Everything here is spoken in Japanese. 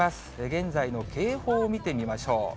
現在の警報を見てみましょう。